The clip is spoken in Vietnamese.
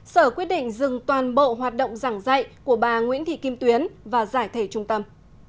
sở quyết định dừng toàn bộ hoạt động giảng dạy của bà nguyễn thị kim tuyến và giải thể trung tâm